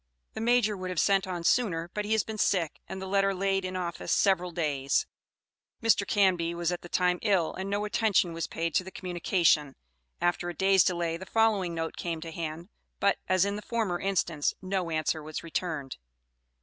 The Major would have sent on sooner but he has been sick, and the letter laid in Office several days. Mr. Canby was at the time ill, and no attention was paid to the communication. After a day's delay the following note came to hand, but, as in the former instance, no answer was returned.